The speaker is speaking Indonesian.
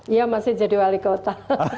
iya masih jadi wali kota